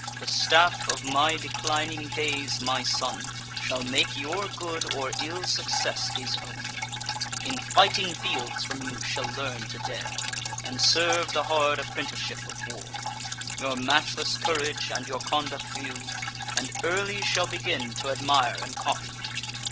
The staff of my declining days, my son, Shall make your good or ill success his own; In fighting fields from you shall learn to dare, And serve the hard apprenticeship of war; Your matchless courage and your conduct view, And early shall begin t' admire and copy you.